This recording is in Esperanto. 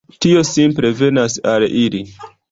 Tio simple venas al ili.